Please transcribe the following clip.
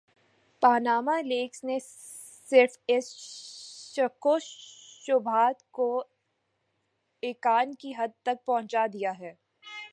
Panama leaks نے صرف ان شکوک وشبہات کو ایقان کی حد تک پہنچا دیا ہے۔